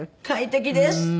快適です。